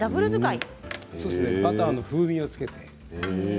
バターの風味を付けます。